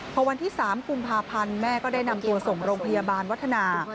พอวันที่๓กุมภาพันธ์แม่ก็ได้นำตัวส่งโรงพยาบาลวัฒนา